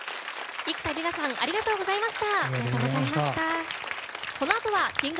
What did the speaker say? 幾田りらさんありがとうございました。